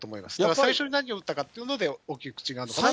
最初に何を打ったかっていうので大きく違うのかなと。